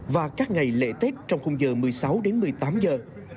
và các ngày lễ tết trong khung giờ một mươi sáu đến một mươi tám giờ